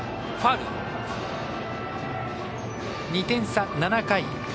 ２点差、７回。